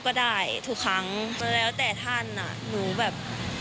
ก็ได้ทุกครั้งแล้วแต่ท่านอ่ะหนูแบบ